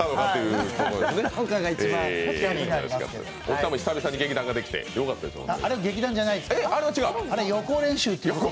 大木さんも久々に劇団ができてよかったですね。